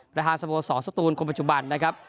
ประธานสโมสรสตูนคนปัจจุบันนะครับ